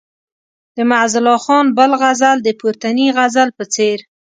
د معزالله خان بل غزل د پورتني غزل په څېر.